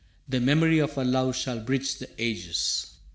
«The memory of our love shall bridge the ages.